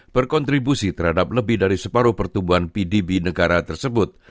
berkontribusi terhadap lebih dari separuh pertumbuhan pdb negara tersebut